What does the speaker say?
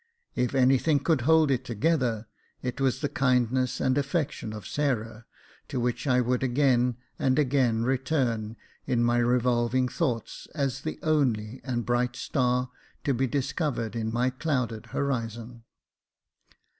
If any thing could hold It together, it was the kindness and affection of Sarah, to which I would again and again return in my revolving thoughts, as the only and bright star to be discovered in my clouded horizon.